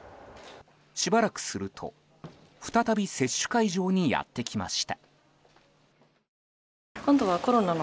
しばらくすると、再び接種会場にやってきました。